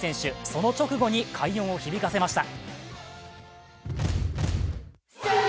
その直後に快音を響かせました。